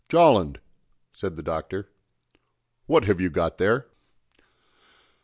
"Jolland," said the Doctor, "what have you got there?"